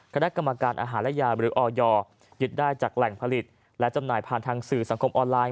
คณะกรรมการอาหารและยาหรือออยยึดได้จากแหล่งผลิตและจำหน่ายผ่านทางสื่อสังคมออนไลน